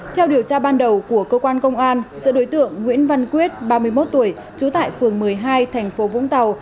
theo điều tra ban đầu của cơ quan công an sự đối tượng nguyễn văn quyết ba mươi một tuổi trú tại phường một mươi hai tp vũng tàu